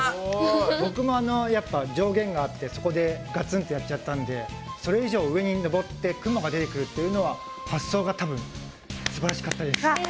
ボクもあのやっぱ上限があってそこでガツンとやっちゃったんでそれ以上上にのぼって雲が出てくるっていうのは発想がすばらしかったです！